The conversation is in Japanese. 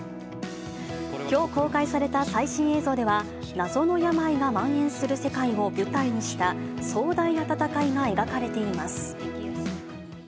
きょう公開された最新映像では、謎の病がまん延する世界を舞台にした壮大な戦いが描かれています。